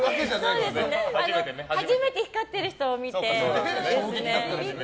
初めて光ってる人を見て。